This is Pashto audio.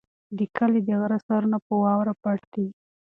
د کلي د غره سرونه په واورو پټ دي.